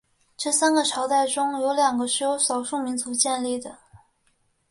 这三个朝代中有两个是由少数民族建立的。